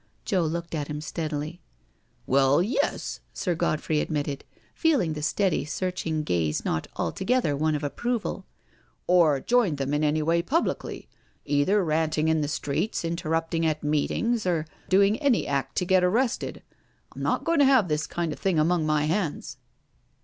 Joe looked at him steadily. •' Well, yes," Sir Godfrey admitted, feeling the steady searching gaze not altogether one of approval, " or joined them in any way publicly — either ranting in the streets, interrupting at meetings, or doing any act to get arrested. I'm not going to have this kind of thing among my hands."